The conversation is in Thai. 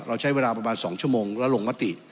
เราใช้เวลาประมาณ๒ชั่วโมงแล้วลงมติ